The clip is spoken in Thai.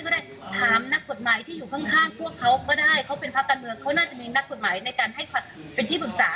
เขาเป็นภาคการเมืองเขาน่าจะมีนักกฎหมายในการให้เป็นที่ปรึกษา